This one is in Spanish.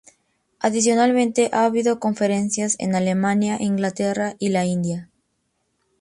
Adicionalmente ha habido conferencias en Alemania, Inglaterra y la India.